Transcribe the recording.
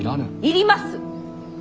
要ります！